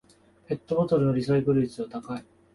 ペットボトルのリサイクル率は高い